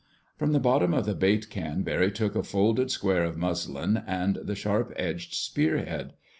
From the bottom of the bait can Barry took a folded square of muslin and the sharp edged spearhead.